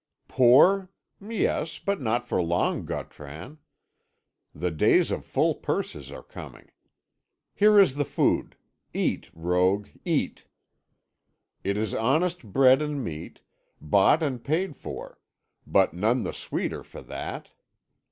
"Poor? Yes, but not for long, Gautran. The days of full purses are coming. Here is the food. Eat, rogue, eat. It is honest bread and meat, bought and paid for; but none the sweeter for that.